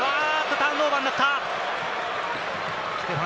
ターンオーバーになった。